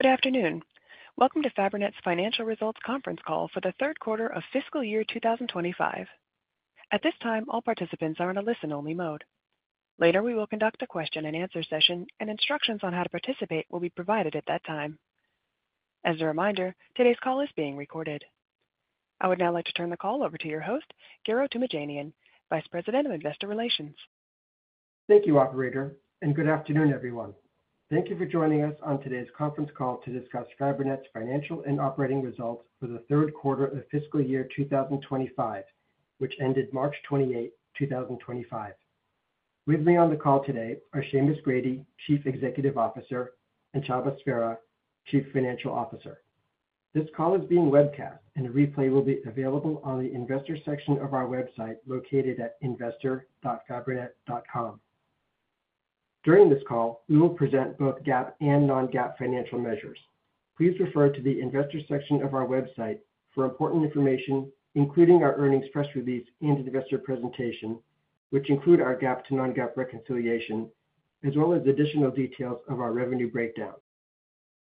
Good afternoon. Welcome to Fabrinet's financial results conference call for the third quarter of fiscal year 2025. At this time, all participants are in a listen-only mode. Later, we will conduct a question-and-answer session, and instructions on how to participate will be provided at that time. As a reminder, today's call is being recorded. I would now like to turn the call over to your host, Garo Toomajanian, Vice President of Investor Relations. Thank you, Operator, and good afternoon, everyone. Thank you for joining us on today's conference call to discuss Fabrinet's financial and operating results for the third quarter of fiscal year 2025, which ended March 28, 2025. With me on the call today are Seamus Grady, Chief Executive Officer, and Csaba Sverha, Chief Financial Officer. This call is being webcast, and the replay will be available on the investor section of our website located at investor.fabrinet.com. During this call, we will present both GAAP and non-GAAP financial measures. Please refer to the investor section of our website for important information, including our earnings press release and investor presentation, which include our GAAP to non-GAAP reconciliation, as well as additional details of our revenue breakdown.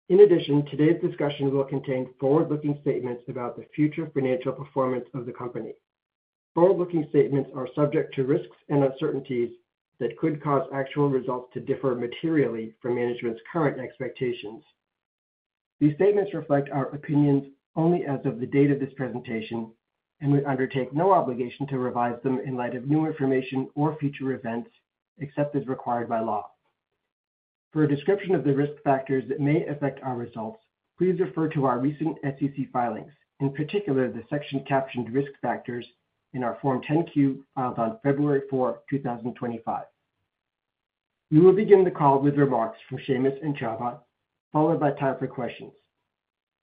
In addition, today's discussion will contain forward-looking statements about the future financial performance of the company. Forward-looking statements are subject to risks and uncertainties that could cause actual results to differ materially from management's current expectations. These statements reflect our opinions only as of the date of this presentation, and we undertake no obligation to revise them in light of new information or future events, except as required by law. For a description of the risk factors that may affect our results, please refer to our recent SEC filings, in particular the section captioned risk factors in our Form 10-Q filed on February 4, 2025. We will begin the call with remarks from Seamus and Csaba, followed by time for questions.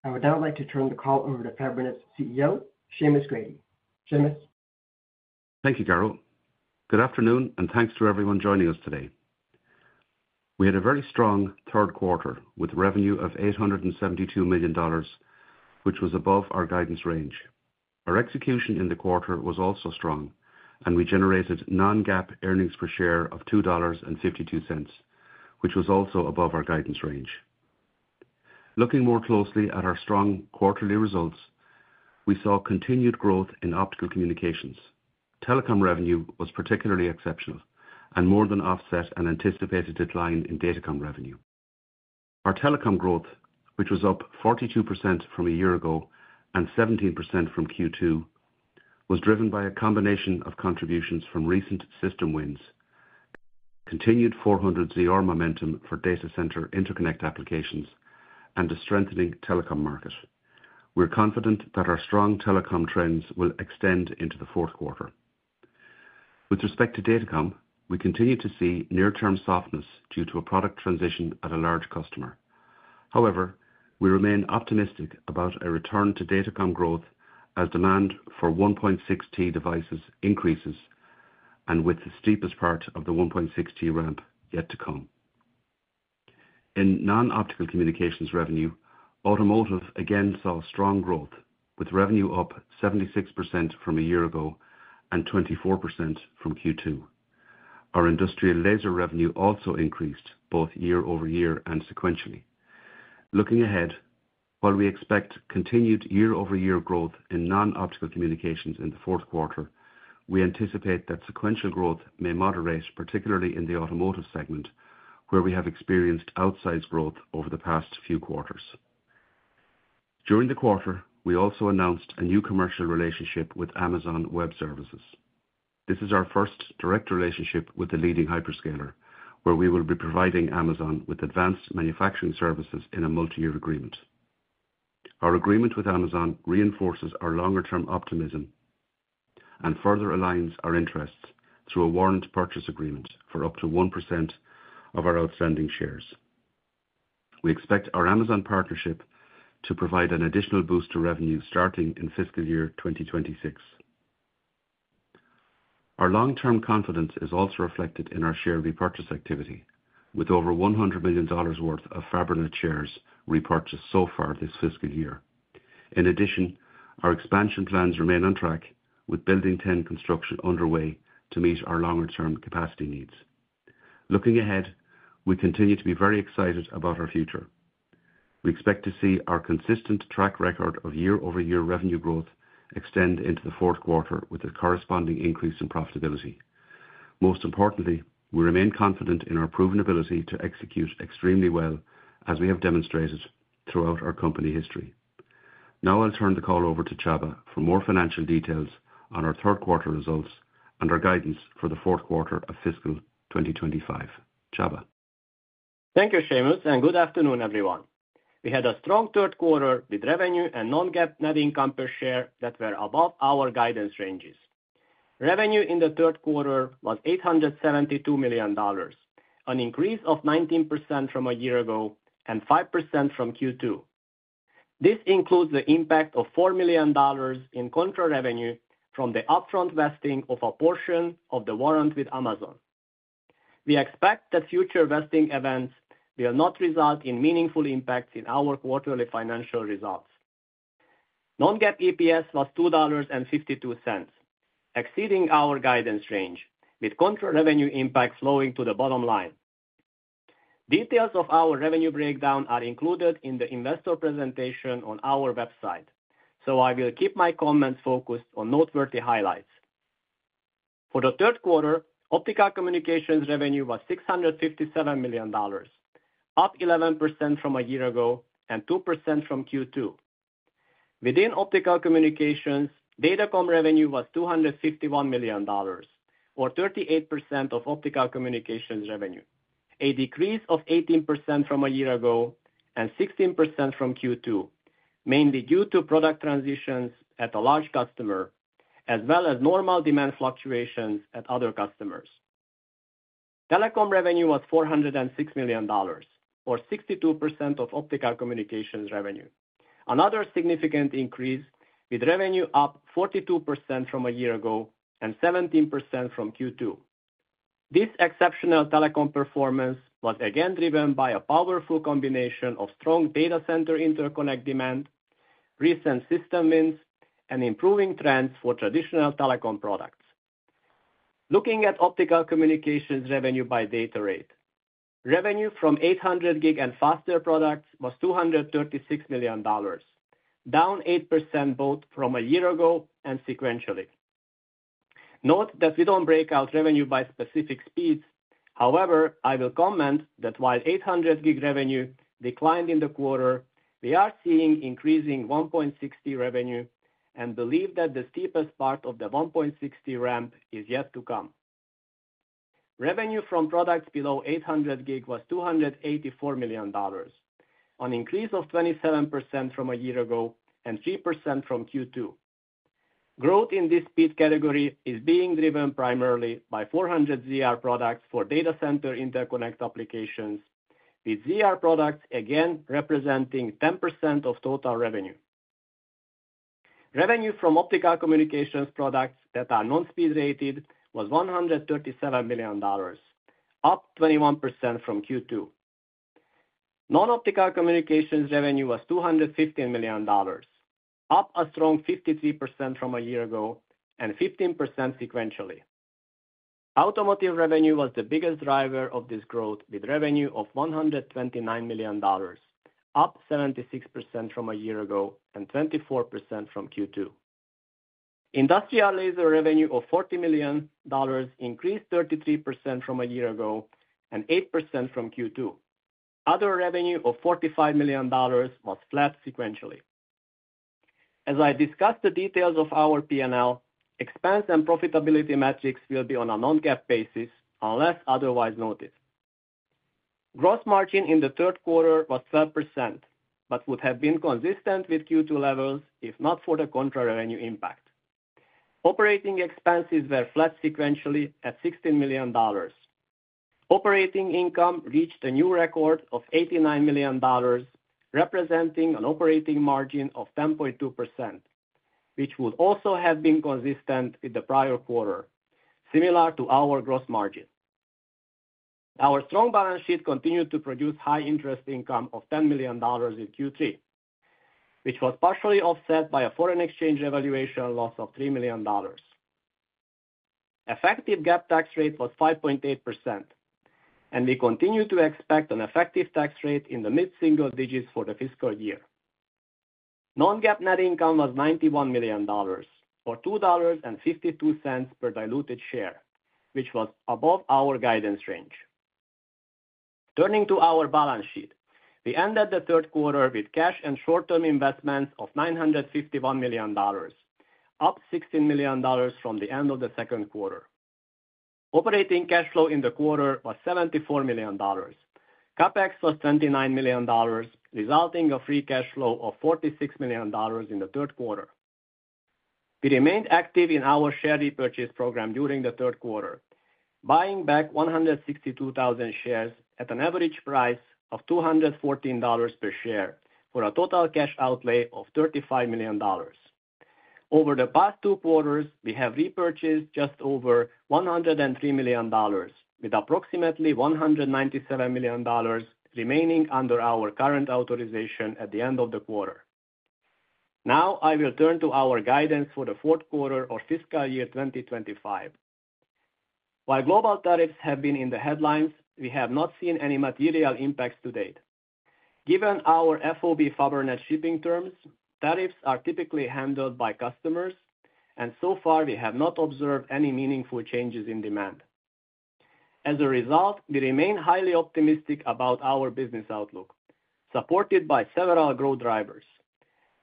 I would now like to turn the call over to Fabrinet's CEO, Seamus Grady. Seamus. Thank you, Garo. Good afternoon, and thanks to everyone joining us today. We had a very strong third quarter with a revenue of $872 million, which was above our guidance range. Our execution in the quarter was also strong, and we generated non-GAAP earnings per share of $2.52, which was also above our guidance range. Looking more closely at our strong quarterly results, we saw continued growth in optical communications. Telecom revenue was particularly exceptional and more than offset an anticipated decline in data revenue. Our telecom growth, which was up 42% from a year ago and 17% from Q2, was driven by a combination of contributions from recent system wins, continued 400ZR momentum for data center interconnect applications, and a strengthening telecom market. We're confident that our strong telecom trends will extend into the fourth quarter. With respect to datacom, we continue to see near-term softness due to a product transition at a large customer. However, we remain optimistic about a return to datacom growth as demand for 1.6 Tbps devices increases and with the steepest part of the 1.6 Tbps ramp yet to come. In non-optical communications revenue, automotive again saw strong growth, with revenue up 76% from a year ago and 24% from Q2. Our industrial laser revenue also increased both year over year and sequentially. Looking ahead, while we expect continued year-over-year growth in non-optical communications in the fourth quarter, we anticipate that sequential growth may moderate, particularly in the automotive segment, where we have experienced outsized growth over the past few quarters. During the quarter, we also announced a new commercial relationship with Amazon Web Services. This is our first direct relationship with the leading hyperscaler, where we will be providing Amazon with advanced manufacturing services in a multi-year agreement. Our agreement with Amazon reinforces our longer-term optimism and further aligns our interests through a warrant purchase agreement for up to 1% of our outstanding shares. We expect our Amazon partnership to provide an additional boost to revenue starting in fiscal year 2026. Our long-term confidence is also reflected in our share repurchase activity, with over $100 million worth of Fabrinet shares repurchased so far this fiscal year. In addition, our expansion plans remain on track, with Building 10 construction underway to meet our longer-term capacity needs. Looking ahead, we continue to be very excited about our future. We expect to see our consistent track record of year-over-year revenue growth extend into the fourth quarter with a corresponding increase in profitability. Most importantly, we remain confident in our proven ability to execute extremely well, as we have demonstrated throughout our company history. Now I'll turn the call over to Csaba for more financial details on our third quarter results and our guidance for the fourth quarter of fiscal 2025. Csaba. Thank you, Seamus, and good afternoon, everyone. We had a strong third quarter with revenue and non-GAAP net income per share that were above our guidance ranges. Revenue in the third quarter was $872 million, an increase of 19% from a year ago and 5% from Q2. This includes the impact of $4 million in contra revenue from the upfront vesting of a portion of the warrant with Amazon. We expect that future vesting events will not result in meaningful impacts in our quarterly financial results. Non-GAAP EPS was $2.52, exceeding our guidance range, with contra revenue impact flowing to the bottom line. Details of our revenue breakdown are included in the investor presentation on our website, so I will keep my comments focused on noteworthy highlights. For the third quarter, Optical Communications revenue was $657 million, up 11% from a year ago and 2% from Q2. Within optical communications, datacom revenue was $251 million, or 38% of optical communications revenue, a decrease of 18% from a year ago and 16% from Q2, mainly due to product transitions at a large customer, as well as normal demand fluctuations at other customers. Telecom revenue was $406 million, or 62% of optical communications revenue, another significant increase, with revenue up 42% from a year ago and 17% from Q2. This exceptional telecom performance was again driven by a powerful combination of strong data center interconnect demand, recent system wins, and improving trends for traditional telecom products. Looking at optical communications revenue by data rate, revenue from 800 Gb and faster products was $236 million, down 8% both from a year ago and sequentially. Note that we don't break out revenue by specific speeds. However, I will comment that while 800 Gb revenue declined in the quarter, we are seeing increasing 1.6 Tbps revenue and believe that the steepest part of the 1.6 Tbps ramp is yet to come. Revenue from products below 800 Gbps was $284 million, an increase of 27% from a year ago and 3% from Q2. Growth in this speed category is being driven primarily by 400ZR products for data center interconnect applications, with ZR products again representing 10% of total revenue. Revenue from optical communications products that are non-speed rated was $137 million, up 21% from Q2. Non-optical communications revenue was $215 million, up a strong 53% from a year ago and 15% sequentially. Automotive revenue was the biggest driver of this growth, with revenue of $129 million, up 76% from a year ago and 24% from Q2. Industrial Laser revenue of $40 million increased 33% from a year ago and 8% from Q2. Other revenue of $45 million was flat sequentially. As I discussed the details of our P&L, expense and profitability metrics will be on a non-GAAP basis unless otherwise noted. Gross margin in the third quarter was 12%, but would have been consistent with Q2 levels if not for the contra revenue impact. Operating expenses were flat sequentially at $16 million. Operating income reached a new record of $89 million, representing an operating margin of 10.2%, which would also have been consistent with the prior quarter, similar to our gross margin. Our strong balance sheet continued to produce high interest income of $10 million in Q3, which was partially offset by a foreign exchange revaluation loss of $3 million. Effective GAAP tax rate was 5.8%, and we continue to expect an effective tax rate in the mid-single digits for the fiscal year. Non-GAAP net income was $91 million, or $2.52 per diluted share, which was above our guidance range. Turning to our balance sheet, we ended the third quarter with cash and short-term investments of $951 million, up $16 million from the end of the second quarter. Operating cash flow in the quarter was $74 million. CapEx was $29 million, resulting in a free cash flow of $46 million in the third quarter. We remained active in our share repurchase program during the third quarter, buying back 162,000 shares at an average price of $214 per share for a total cash outlay of $35 million. Over the past two quarters, we have repurchased just over $103 million, with approximately $197 million remaining under our current authorization at the end of the quarter. Now I will turn to our guidance for the fourth quarter of fiscal year 2025. While global tariffs have been in the headlines, we have not seen any material impacts to date. Given our FOB Fabrinet shipping terms, tariffs are typically handled by customers, and so far we have not observed any meaningful changes in demand. As a result, we remain highly optimistic about our business outlook, supported by several growth drivers.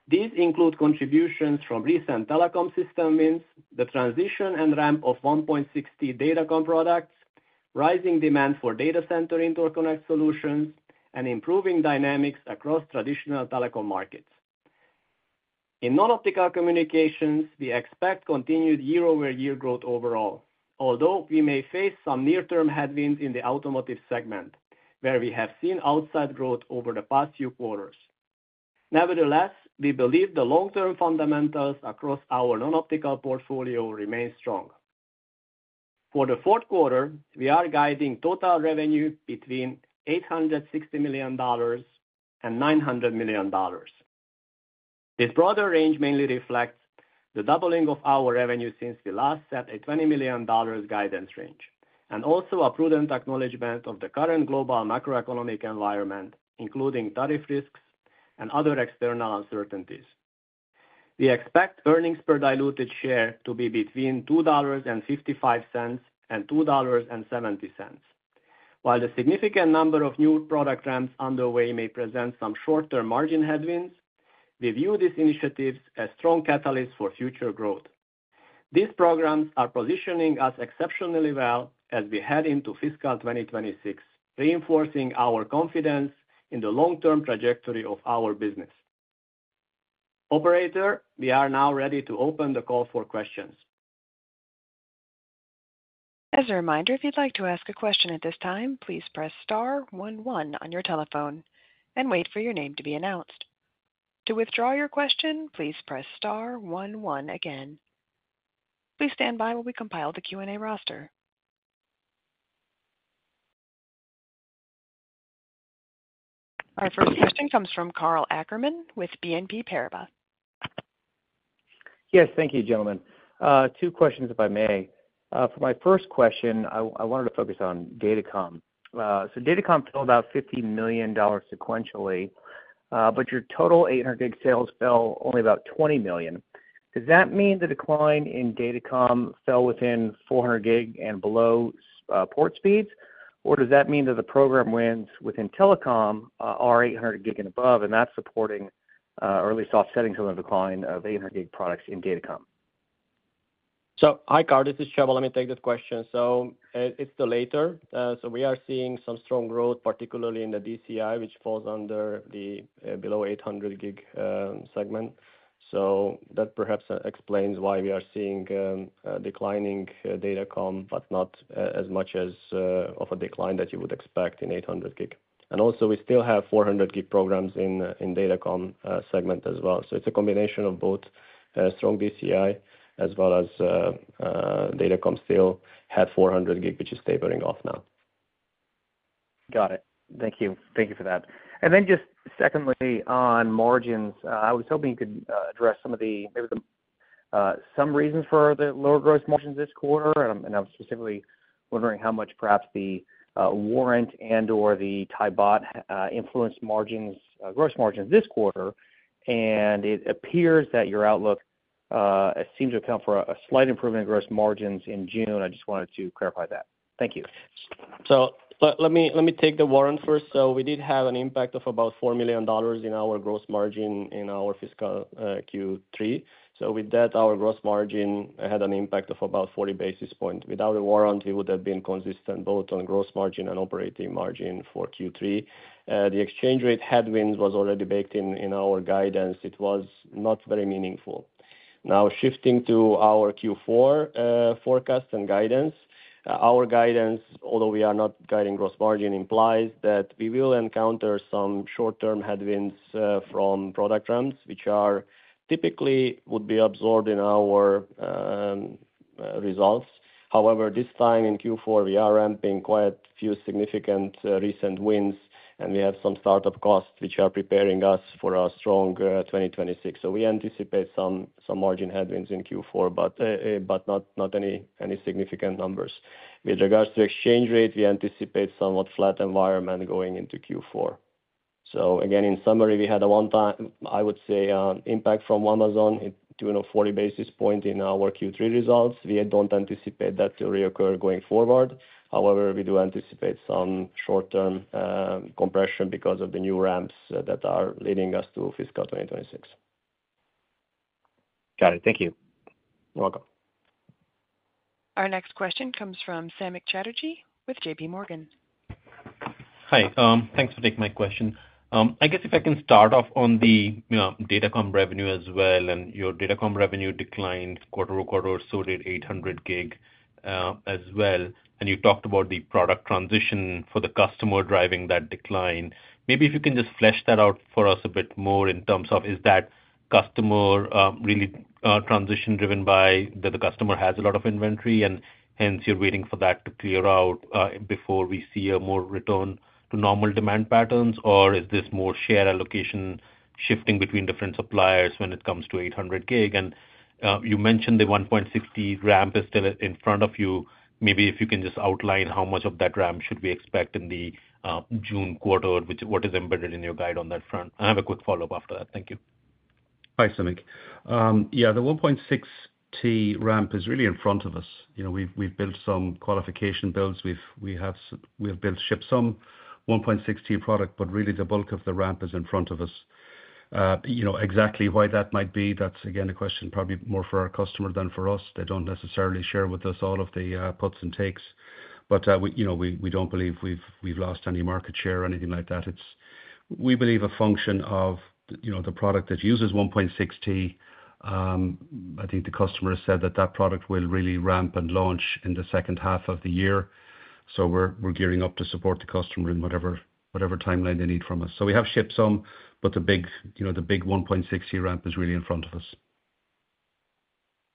These include contributions from recent telecom system wins, the transition and ramp of 1.6 Tbps Datacom products, rising demand for data center interconnect solutions, and improving dynamics across traditional telecom markets. In non-optical communications, we expect continued year-over-year growth overall, although we may face some near-term headwinds in the automotive segment, where we have seen outsized growth over the past few quarters. Nevertheless, we believe the long-term fundamentals across our non-optical portfolio remain strong. For the fourth quarter, we are guiding total revenue between $860 million and $900 million. This broader range mainly reflects the doubling of our revenue since we last set a $20 million guidance range, and also a prudent acknowledgment of the current global macroeconomic environment, including tariff risks and other external uncertainties. We expect earnings per diluted share to be between $2.55 and $2.70. While the significant number of new product ramps underway may present some short-term margin headwinds, we view these initiatives as strong catalysts for future growth. These programs are positioning us exceptionally well as we head into fiscal 2026, reinforcing our confidence in the long-term trajectory of our business. Operator, we are now ready to open the call for questions. As a reminder, if you'd like to ask a question at this time, please press star one one on your telephone and wait for your name to be announced. To withdraw your question, please press star one one again. Please stand by while we compile the Q&A roster. Our first question comes from Karl Ackerman with BNP Paribas. Yes, thank you, gentlemen. Two questions, if I may. For my first question, I wanted to focus on datacom. So datacom fell about $50 million sequentially, but your total 800 Gbps sales fell only about $20 million. Does that mean the decline in datacom fell within 400 Gbps and below port speeds, or does that mean that the program wins within telecom are 800 Gbps and above, and that's supporting or at least offsetting some of the decline of 800 Gbps products in datacom? Hi, Karl, this is Csaba. Let me take this question. It is the later. We are seeing some strong growth, particularly in the DCI, which falls under the below 800 Gbps segment. That perhaps explains why we are seeing declining Datacom, but not as much of a decline that you would expect in 800 Gbps. We still have 400 Gbps programs in Datacom segment as well. It is a combination of both strong DCI as well as Datacom still had 400 Gbps, which is tapering off now. Got it. Thank you. Thank you for that. Then just secondly, on margins, I was hoping you could address some of the maybe some reasons for the lower gross margins this quarter. I am specifically wondering how much perhaps the warrant and/or the Thai Baht influenced margins, gross margins this quarter. It appears that your outlook seems to account for a slight improvement in gross margins in June. I just wanted to clarify that. Thank you. Let me take the warrant first. We did have an impact of about $4 million in our gross margin in our fiscal Q3. With that, our gross margin had an impact of about 40 basis points. Without the warrant, we would have been consistent both on gross margin and operating margin for Q3. The exchange rate headwinds was already baked in our guidance. It was not very meaningful. Now shifting to our Q4 forecast and guidance, our guidance, although we are not guiding gross margin, implies that we will encounter some short-term headwinds from product ramps, which typically would be absorbed in our results. However, this time in Q4, we are ramping quite a few significant recent wins, and we have some startup costs which are preparing us for a strong 2026. We anticipate some margin headwinds in Q4, but not any significant numbers. With regards to exchange rate, we anticipate somewhat flat environment going into Q4. In summary, we had a one-time, I would say, impact from Amazon in 40 basis points in our Q3 results. We do not anticipate that to reoccur going forward. However, we do anticipate some short-term compression because of the new ramps that are leading us to fiscal 2026. Got it. Thank you. You're welcome. Our next question comes from Samik Chatterjee with JPMorgan. Hi. Thanks for taking my question. I guess if I can start off on the datacom revenue as well, and your datacom revenue declined quarter over quarter, so did 800 Gbps as well. You talked about the product transition for the customer driving that decline. Maybe if you can just flesh that out for us a bit more in terms of is that customer really transition driven by that the customer has a lot of inventory and hence you're waiting for that to clear out before we see a more return to normal demand patterns, or is this more share allocation shifting between different suppliers when it comes to 800 Gbps? You mentioned the 1.6 Tbps ramp is still in front of you. Maybe if you can just outline how much of that ramp should we expect in the June quarter, what is embedded in your guide on that front. I have a quick follow-up after that. Thank you. Hi, Samik. Yeah, the 1.6 Tbps ramp is really in front of us. We've built some qualification builds. We have built ship some 1.6 Tbps product, but really the bulk of the ramp is in front of us. Exactly why that might be, that's again a question probably more for our customer than for us. They don't necessarily share with us all of the puts and takes, but we don't believe we've lost any market share or anything like that. We believe a function of the product that uses 1.6 Tbps. I think the customer said that that product will really ramp and launch in the second half of the year. We are gearing up to support the customer in whatever timeline they need from us. We have shipped some, but the big 1.6 Tbps ramp is really in front of us.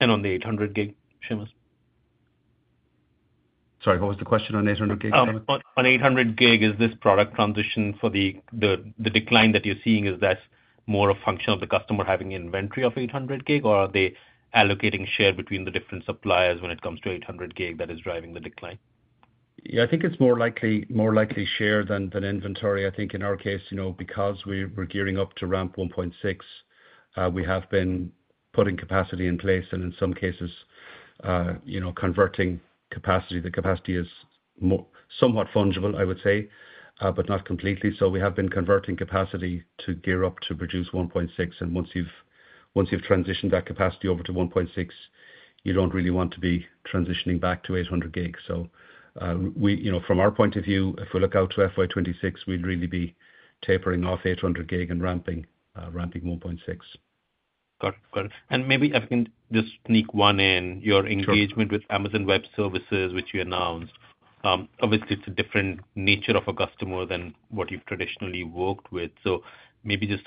On the 800 Gbps, Seamus? Sorry, what was the question on 800 Gbps? On 800 Gbps, is this product transition for the decline that you're seeing, is that more a function of the customer having inventory of 800 Gbps, or are they allocating share between the different suppliers when it comes to 800 Gbps that is driving the decline? Yeah, I think it's more likely share than inventory. I think in our case, because we're gearing up to ramp 1.6, we have been putting capacity in place and in some cases converting capacity. The capacity is somewhat fungible, I would say, but not completely. We have been converting capacity to gear up to produce 1.6. Once you've transitioned that capacity over to 1.6, you don't really want to be transitioning back to 800 Gbps. From our point of view, if we look out to FY 2026, we'd really be tapering off 800 Gbps and ramping 1.6. Got it. Got it. Maybe I can just sneak one in. Your engagement with Amazon Web Services, which you announced, obviously it's a different nature of a customer than what you've traditionally worked with. Maybe just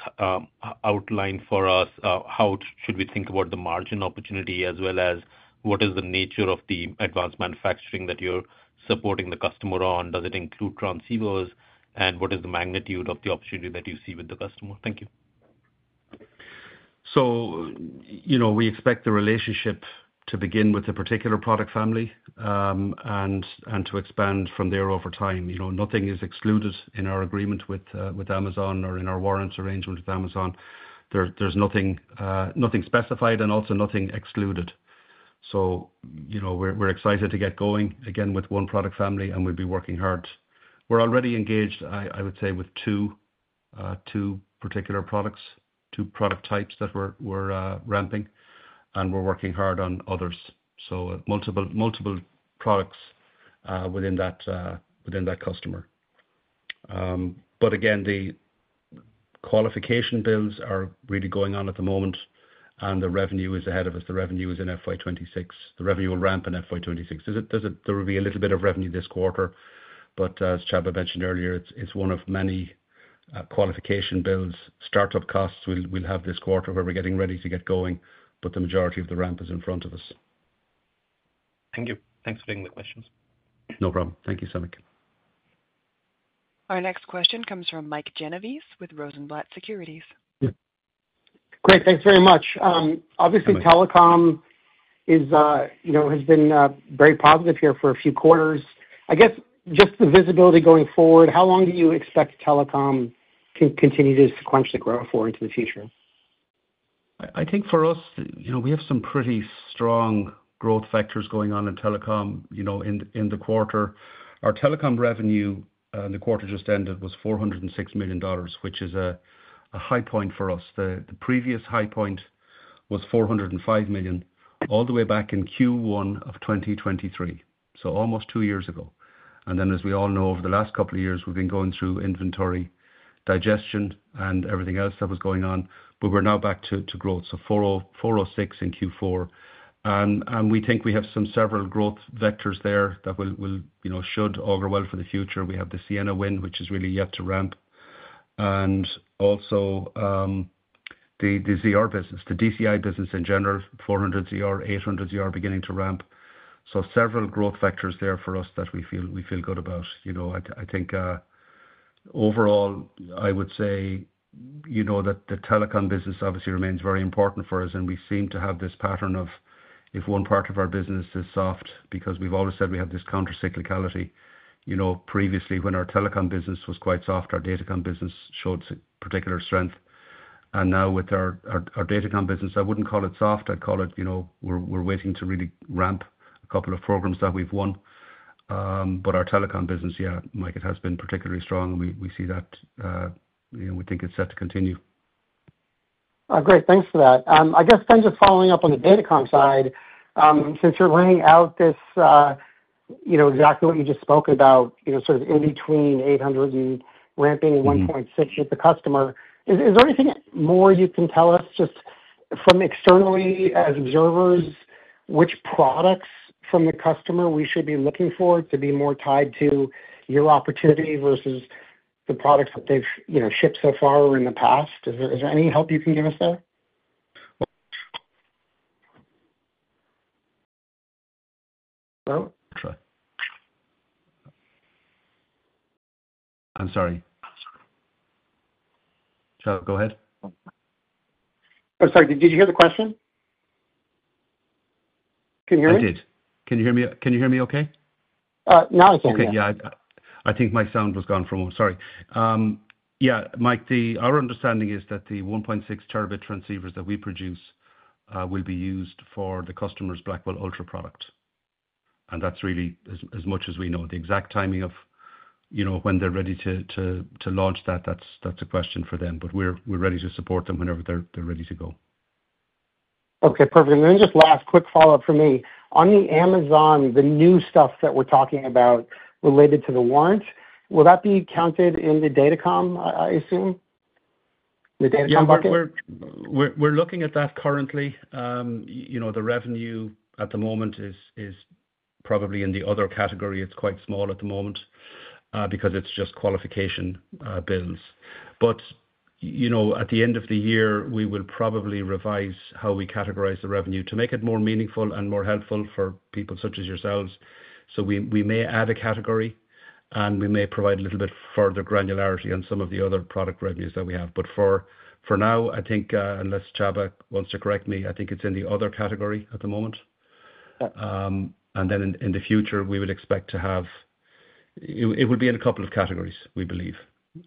outline for us how should we think about the margin opportunity as well as what is the nature of the advanced manufacturing that you're supporting the customer on? Does it include transceivers? What is the magnitude of the opportunity that you see with the customer? Thank you. We expect the relationship to begin with a particular product family and to expand from there over time. Nothing is excluded in our agreement with Amazon or in our warrants arrangement with Amazon. There is nothing specified and also nothing excluded. We are excited to get going again with one product family, and we will be working hard. We are already engaged, I would say, with two particular products, two product types that we are ramping, and we are working hard on others. Multiple products within that customer. Again, the qualification builds are really going on at the moment, and the revenue is ahead of us. The revenue is in FY 2026. The revenue will ramp in FY 2026. There will be a little bit of revenue this quarter, but as Csaba mentioned earlier, it is one of many qualification builds. Startup costs we'll have this quarter where we're getting ready to get going, but the majority of the ramp is in front of us. Thank you. Thanks for taking the questions. No problem. Thank you, Samik. Our next question comes from Mike Genovese with Rosenblatt Securities. Great. Thanks very much. Obviously, telecom has been very positive here for a few quarters. I guess just the visibility going forward, how long do you expect telecom to continue to sequentially grow for into the future? I think for us, we have some pretty strong growth factors going on in Telecom in the quarter. Our Telecom revenue in the quarter just ended was $406 million, which is a high point for us. The previous high point was $405 million all the way back in Q1 of 2023, almost two years ago. As we all know, over the last couple of years, we have been going through inventory digestion and everything else that was going on, but we are now back to growth. $406 million in Q4. We think we have several growth vectors there that should augur well for the future. We have the Ciena win, which is really yet to ramp. Also, the ZR business, the DCI business in general, 400ZR, 800ZR beginning to ramp. Several growth factors there for us that we feel good about. I think overall, I would say that the telecom business obviously remains very important for us, and we seem to have this pattern of if one part of our business is soft, because we've always said we have this countercyclicality. Previously, when our telecom business was quite soft, our datacom business showed particular strength. Now with our datacom business, I wouldn't call it soft. I'd call it we're waiting to really ramp a couple of programs that we've won. Our telecom business, yeah, Mike, it has been particularly strong. We see that. We think it's set to continue. Great. Thanks for that. I guess kind of following up on the Datacom side, since you're laying out this exactly what you just spoke about, sort of in between 800 and ramping 1.6 with the customer, is there anything more you can tell us just from externally as observers, which products from the customer we should be looking for to be more tied to your opportunity versus the products that they've shipped so far or in the past? Is there any help you can give us there? Hello? Sure. I'm sorry. Go ahead. I'm sorry. Did you hear the question? Can you hear me? I did. Can you hear me okay? Now I can hear you. Okay. Yeah. I think my sound was gone for a moment. Sorry. Yeah, Mike, our understanding is that the 1.6 Tb transceivers that we produce will be used for the customer's Blackwell Ultra product. And that's really as much as we know. The exact timing of when they're ready to launch that, that's a question for them. But we're ready to support them whenever they're ready to go. Okay. Perfect. And then just last quick follow-up for me. On the Amazon, the new stuff that we're talking about related to the warrant, will that be counted in the Datacom, I assume? The Datacom bucket? We're looking at that currently. The revenue at the moment is probably in the other category. It's quite small at the moment because it's just qualification builds. At the end of the year, we will probably revise how we categorize the revenue to make it more meaningful and more helpful for people such as yourselves. We may add a category, and we may provide a little bit further granularity on some of the other product revenues that we have. For now, I think, unless Csaba wants to correct me, I think it's in the other category at the moment. In the future, we would expect to have it would be in a couple of categories, we believe.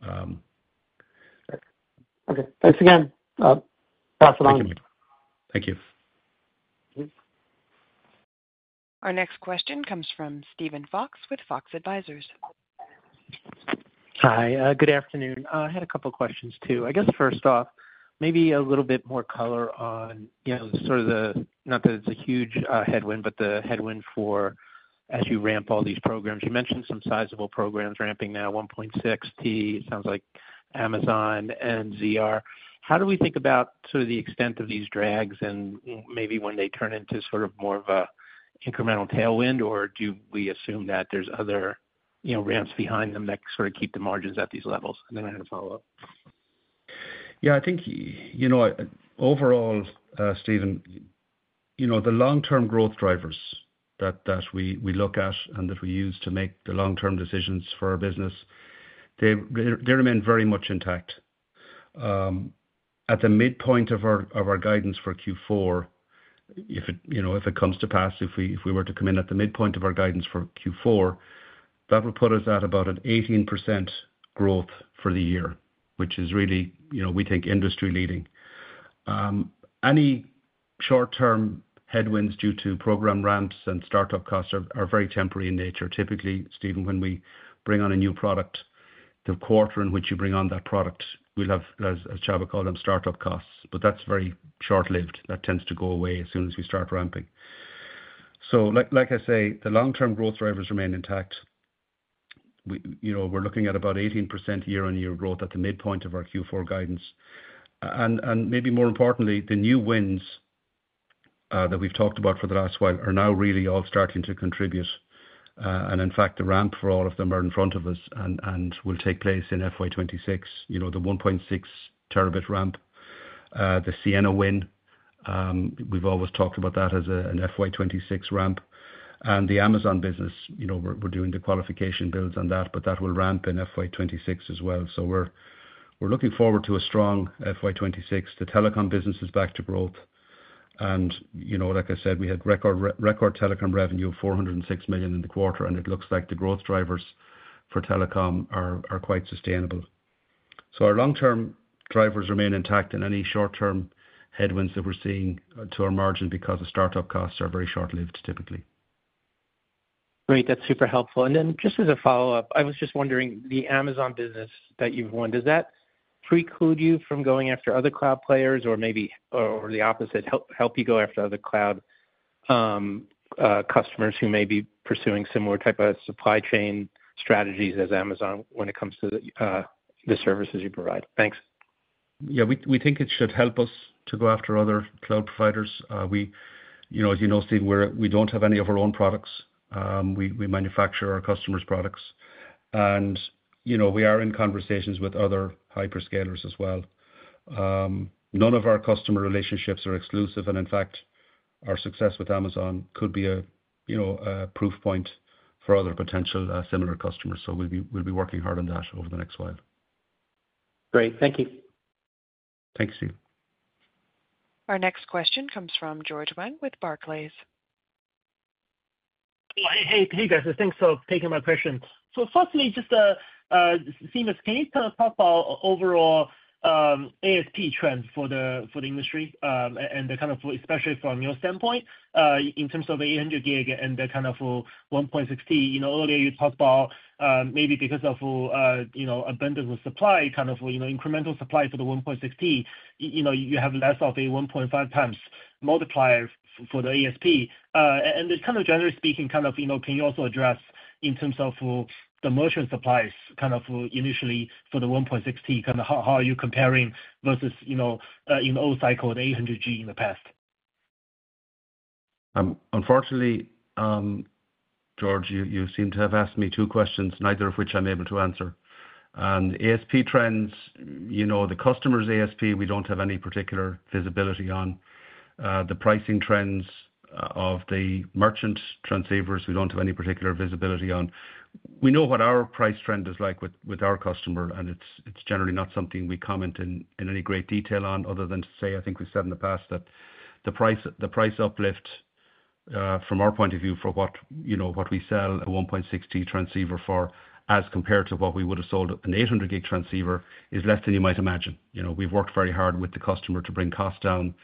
Okay. Thanks again. Pass it on. Thank you. Thank you. Our next question comes from Steven Fox with Fox Advisors. Hi. Good afternoon. I had a couple of questions too. I guess first off, maybe a little bit more color on sort of the not that it's a huge headwind, but the headwind for as you ramp all these programs. You mentioned some sizable programs ramping now, 1.6 Tbps, it sounds like Amazon and ZR. How do we think about sort of the extent of these drags and maybe when they turn into sort of more of an incremental tailwind, or do we assume that there's other ramps behind them that sort of keep the margins at these levels? And then I had a follow-up. Yeah. I think overall, Stephen, the long-term growth drivers that we look at and that we use to make the long-term decisions for our business, they remain very much intact. At the midpoint of our guidance for Q4, if it comes to pass, if we were to come in at the midpoint of our guidance for Q4, that would put us at about an 18% growth for the year, which is really, we think, industry-leading. Any short-term headwinds due to program ramps and startup costs are very temporary in nature. Typically, Stephen, when we bring on a new product, the quarter in which you bring on that product, we'll have, as Csaba called them, startup costs. That is very short-lived. That tends to go away as soon as we start ramping. The long-term growth drivers remain intact. We're looking at about 18% year-on-year growth at the midpoint of our Q4 guidance. Maybe more importantly, the new wins that we've talked about for the last while are now really all starting to contribute. In fact, the ramp for all of them are in front of us and will take place in FY 2026. The 1.6 Tb ramp, the Ciena win, we've always talked about that as an FY 2026 ramp. The Amazon business, we're doing the qualification builds on that, but that will ramp in FY 2026 as well. We're looking forward to a strong FY 2026. The telecom business is back to growth. Like I said, we had record telecom revenue of $406 million in the quarter, and it looks like the growth drivers for telecom are quite sustainable. Our long-term drivers remain intact in any short-term headwinds that we're seeing to our margin because the startup costs are very short-lived, typically. Great. That's super helpful. Just as a follow-up, I was just wondering, the Amazon business that you've won, does that preclude you from going after other cloud players or maybe, or the opposite, help you go after other cloud customers who may be pursuing similar type of supply chain strategies as Amazon when it comes to the services you provide? Thanks. Yeah. We think it should help us to go after other cloud providers. As you know, Stephen, we don't have any of our own products. We manufacture our customers' products. We are in conversations with other hyperscalers as well. None of our customer relationships are exclusive. In fact, our success with Amazon could be a proof point for other potential similar customers. We will be working hard on that over the next while. Great. Thank you. Thank you, Steve. Our next question comes from George Wang with Barclays. Hey, guys. Thanks for taking my question. Firstly, just Seamus, can you talk about overall ASP trends for the industry and kind of especially from your standpoint in terms of 800 Gbps and the kind of 1.6 Tbps? Earlier, you talked about maybe because of abundance of supply, kind of incremental supply for the 1.6 Tbps, you have less of a 1.5x multiplier for the ASP. Generally speaking, can you also address in terms of the merchant supplies initially for the 1.6 Tbps, how are you comparing versus in the old cycle of 800 Gbps in the past? Unfortunately, George, you seem to have asked me two questions, neither of which I'm able to answer. ASP trends, the customer's ASP, we don't have any particular visibility on. The pricing trends of the merchant transceivers, we don't have any particular visibility on. We know what our price trend is like with our customer, and it's generally not something we comment in any great detail on other than to say, I think we've said in the past that the price uplift from our point of view for what we sell a 1.6 Tbps transceiver for as compared to what we would have sold an 800 Gbps transceiver is less than you might imagine. We've worked very hard with the customer to bring costs down,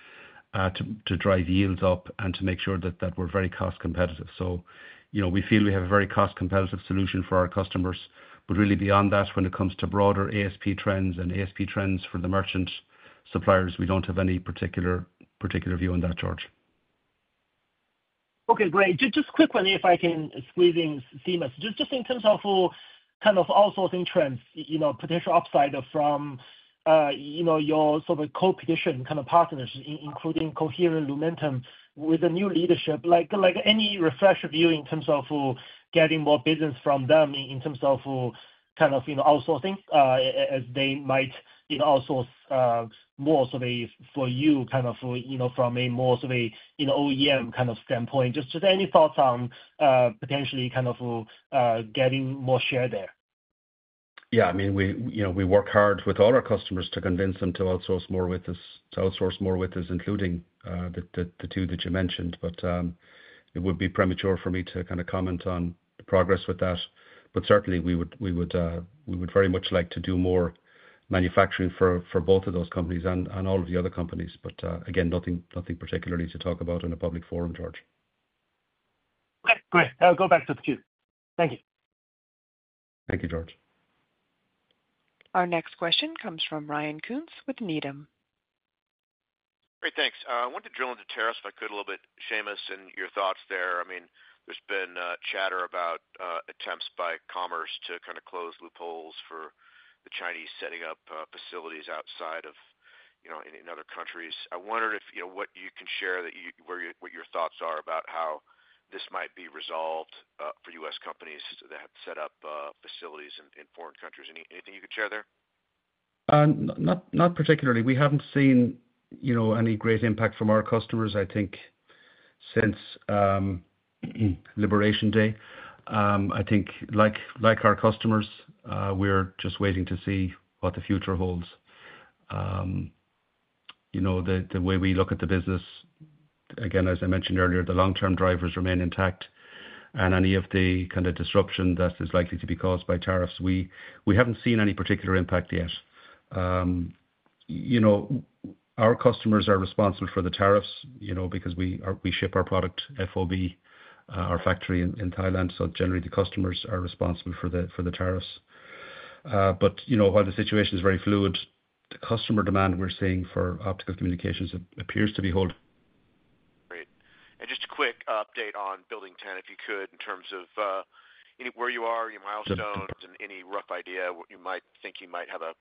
to drive yields up, and to make sure that we're very cost competitive. We feel we have a very cost competitive solution for our customers. Really beyond that, when it comes to broader ASP trends and ASP trends for the merchant suppliers, we do not have any particular view on that, George. Okay. Great. Just quickly, if I can squeeze in, Seamus, just in terms of kind of outsourcing trends, potential upside from your sort of co-opetition kind of partners, including Coherent, Lumentum, with the new leadership, like any refresher view in terms of getting more business from them in terms of kind of outsourcing as they might outsource more for you kind of from a more sort of OEM kind of standpoint? Just any thoughts on potentially kind of getting more share there? Yeah. I mean, we work hard with all our customers to convince them to outsource more with us, to outsource more with us, including the two that you mentioned. It would be premature for me to kind of comment on progress with that. Certainly, we would very much like to do more manufacturing for both of those companies and all of the other companies. Again, nothing particularly to talk about in a public forum, George. Okay. Great. I'll go back to the queue. Thank you. Thank you, George. Our next question comes from Ryan Koontz with Needham. Great. Thanks. I wanted to drill into tariffs if I could a little bit. Seamus, and your thoughts there? I mean, there's been chatter about attempts by commerce to kind of close loopholes for the Chinese setting up facilities outside of in other countries. I wondered if what you can share that what your thoughts are about how this might be resolved for U.S. companies that have set up facilities in foreign countries. Anything you can share there? Not particularly. We haven't seen any great impact from our customers, I think, since Liberation Day. I think like our customers, we're just waiting to see what the future holds. The way we look at the business, again, as I mentioned earlier, the long-term drivers remain intact. Any of the kind of disruption that is likely to be caused by tariffs, we haven't seen any particular impact yet. Our customers are responsible for the tariffs because we ship our product FOB, our factory in Thailand. Generally, the customers are responsible for the tariffs. While the situation is very fluid, the customer demand we're seeing for optical communications appears to be holding. Great. Just a quick update on Building 10, if you could, in terms of where you are, your milestones, and any rough idea what you might think you might have to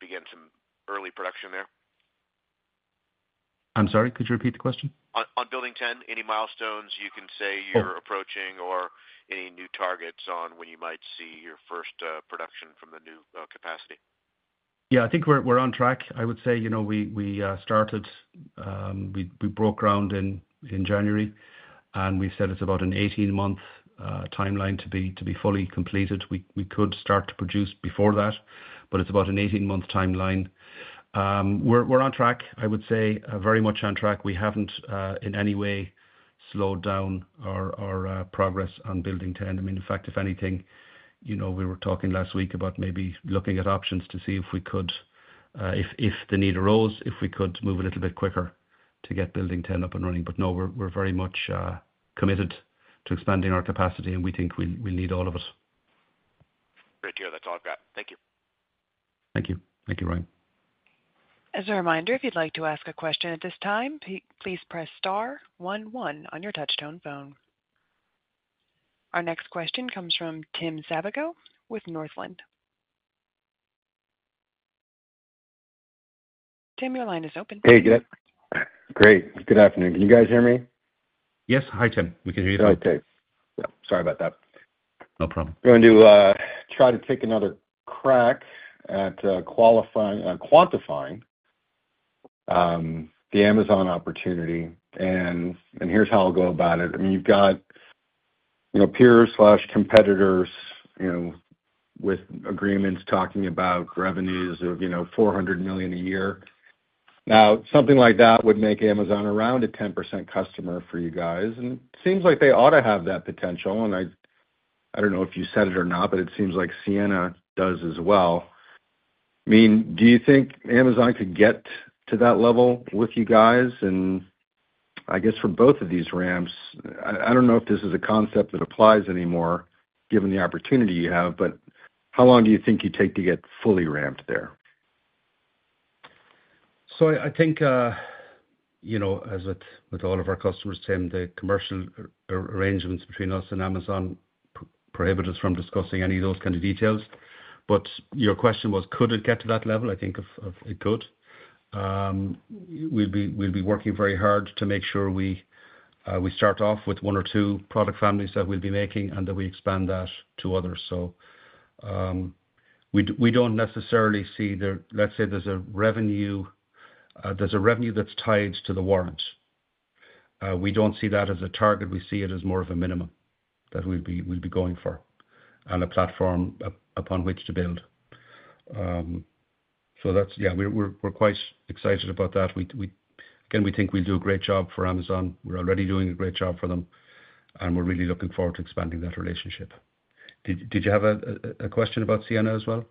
begin some early production there? I'm sorry. Could you repeat the question? On Building 10, any milestones you can say you're approaching or any new targets on when you might see your first production from the new capacity? Yeah. I think we're on track. I would say we started, we broke ground in January, and we said it's about an 18-month timeline to be fully completed. We could start to produce before that, but it's about an 18-month timeline. We're on track, I would say, very much on track. I mean, in fact, if anything, we were talking last week about maybe looking at options to see if we could, if the need arose, if we could move a little bit quicker to get Building 10 up and running. I mean, we're very much committed to expanding our capacity, and we think we'll need all of us. Great. You're the talkback. Thank you. Thank you. Thank you, Ryan. As a reminder, if you'd like to ask a question at this time, please press star one one on your touch-tone phone. Our next question comes from Tim Savageaux with Northland. Tim, your line is open. Hey, good. Great. Good afternoon. Can you guys hear me? Yes. Hi, Tim. We can hear you now. All right. Great. Sorry about that. No problem. We're going to try to take another crack at quantifying the Amazon opportunity. Here's how I'll go about it. I mean, you've got peers or competitors with agreements talking about revenues of $400 million a year. Now, something like that would make Amazon around a 10% customer for you guys. It seems like they ought to have that potential. I don't know if you said it or not, but it seems like Ciena does as well. I mean, do you think Amazon could get to that level with you guys? I guess for both of these ramps, I don't know if this is a concept that applies anymore given the opportunity you have, but how long do you think you take to get fully ramped there? I think as with all of our customers, Tim, the commercial arrangements between us and Amazon prohibit us from discussing any of those kind of details. Your question was, could it get to that level? I think it could. We'll be working very hard to make sure we start off with one or two product families that we'll be making and that we expand that to others. We don't necessarily see that let's say there's a revenue that's tied to the warrant. We don't see that as a target. We see it as more of a minimum that we'll be going for and a platform upon which to build. Yeah, we're quite excited about that. Again, we think we'll do a great job for Amazon. We're already doing a great job for them, and we're really looking forward to expanding that relationship. Did you have a question about Ciena as well?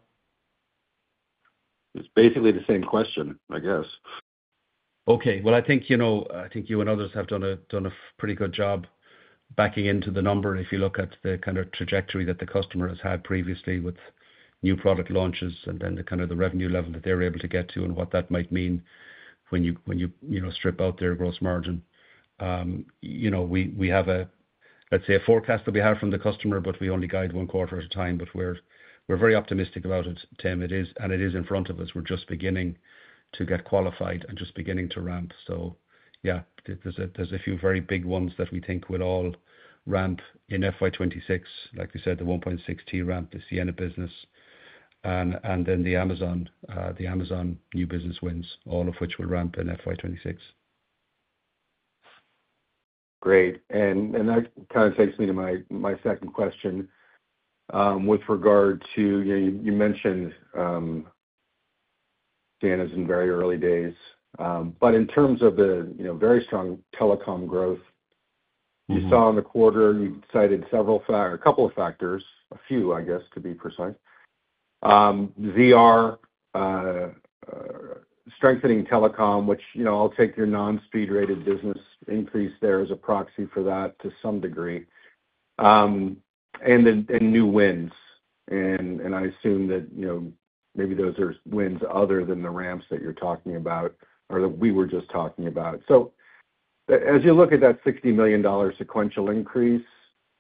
It's basically the same question, I guess. Okay. I think you and others have done a pretty good job backing into the number if you look at the kind of trajectory that the customer has had previously with new product launches and then the kind of revenue level that they're able to get to and what that might mean when you strip out their gross margin. We have, let's say, a forecast that we have from the customer, but we only guide one quarter at a time. We are very optimistic about it, Tim, and it is in front of us. We are just beginning to get qualified and just beginning to ramp. Yeah, there are a few very big ones that we think will all ramp in fiscal year 2026, like we said, the 1.6 Tbps ramp, the Ciena business, and then the Amazon new business wins, all of which will ramp in fiscal year 2026. Great. That kind of takes me to my second question with regard to, you mentioned Ciena is in very early days. In terms of the very strong telecom growth you saw in the quarter, you cited several, a couple of factors, a few, I guess, to be precise. ZR, strengthening telecom, which I'll take your non-speed-rated business increase there as a proxy for that to some degree, and then new wins. I assume that maybe those are wins other than the ramps that you're talking about or that we were just talking about. As you look at that $60 million sequential increase,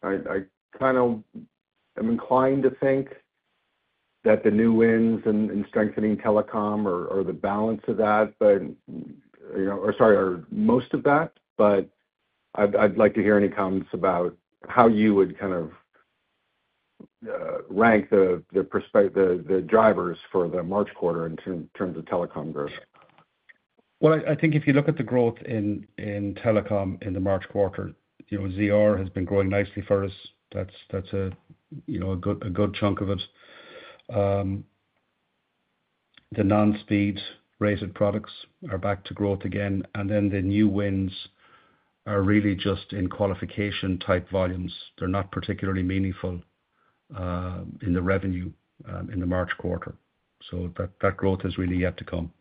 I am inclined to think that the new wins and strengthening telecom are the balance of that, or sorry, are most of that. I'd like to hear any comments about how you would kind of rank the drivers for the March quarter in terms of telecom growth. I think if you look at the growth in telecom in the March quarter, ZR has been growing nicely for us. That's a good chunk of it. The non-speed-rated products are back to growth again. The new wins are really just in qualification-type volumes. They're not particularly meaningful in the revenue in the March quarter. That growth is really yet to come.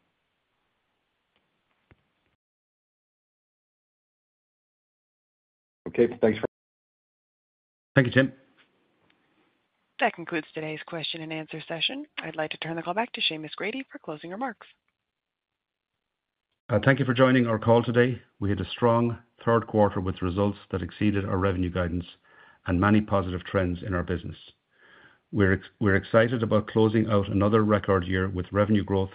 Okay. Thanks for. Thank you, Tim. That concludes today's question and answer session. I'd like to turn the call back to Seamus Grady for closing remarks. Thank you for joining our call today. We had a strong third quarter with results that exceeded our revenue guidance and many positive trends in our business. We are excited about closing out another record year with revenue growth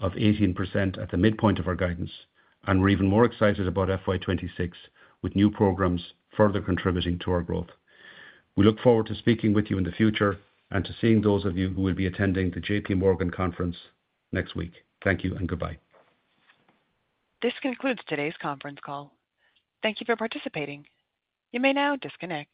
of 18% at the midpoint of our guidance. We are even more excited about FY 2026 with new programs further contributing to our growth. We look forward to speaking with you in the future and to seeing those of you who will be attending the JPMorgan conference next week. Thank you and goodbye. This concludes today's conference call. Thank you for participating. You may now disconnect.